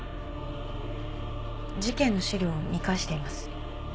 事件の資料を見返しています。